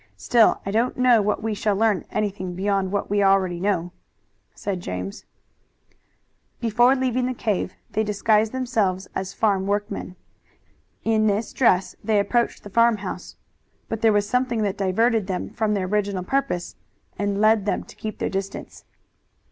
Still I don't know that we shall learn anything beyond what we already know." Before leaving the cave they disguised themselves as farm workmen. In this dress they approached the farmhouse, but there was something that diverted them from their original purpose and led them to keep their distance.